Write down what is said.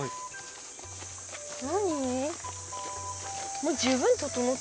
何？